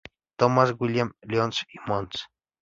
Thomas William Lyons y Mons.